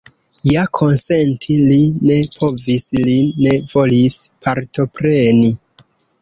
Ja konsenti li ne povis, li ne volis partopreni.